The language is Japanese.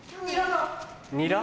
ニラ？